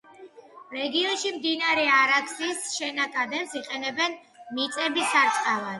რეგიონში მდინარე არაქსის შენაკადებს იყენებდნენ მიწების სარწყავად.